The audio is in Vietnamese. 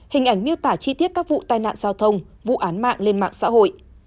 hình ảnh miêu tả chi tiết các vụ tai nạn giao thông vụ án mạng lên mạng xã hội